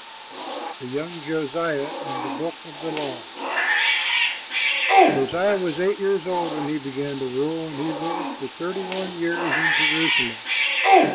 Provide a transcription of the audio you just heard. THE YOUNG JOSIAH AND THE BOOK OF THE LAW Josiah was eight years old when he began to rule, and he ruled thirty one years in Jerusalem.